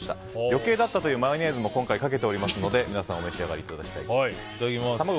余計だったというマヨネーズも今回かけておりますので皆さん、お召し上がりいただきたいと思います。